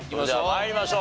参りましょう。